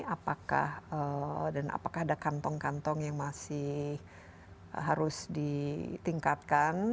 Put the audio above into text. apakah dan apakah ada kantong kantong yang masih harus ditingkatkan